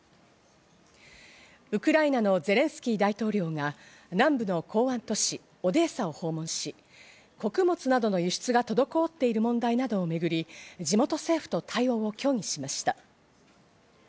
ウクライナのゼレンスキー大統領が南部の港湾都市オデーサを訪問し、穀物などの輸出が滞っている問題などをめぐり地元政府と対応を協議しました。